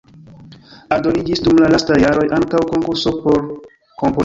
Aldoniĝis dum la lastaj jaroj ankaŭ konkurso por komponado.